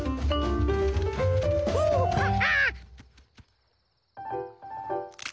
フハッハ！